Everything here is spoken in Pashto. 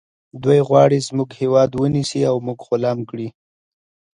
دوی غواړي زموږ هیواد ونیسي او موږ غلام کړي